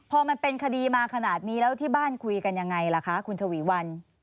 พอมันเป็นคดีมาขนาดนี้แล้วที่บ้านคุยกันยังไงล่ะคะคุณชวีวัน